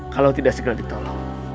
kalau tidak segera ditolong